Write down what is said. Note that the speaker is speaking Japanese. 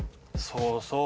そうそう！